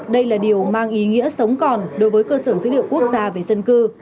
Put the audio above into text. đây là điều mang ý nghĩa sống còn đối với cơ sở dữ liệu quốc gia về dân cư